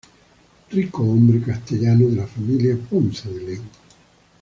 Ricohombre castellano de la familia Ponce de León.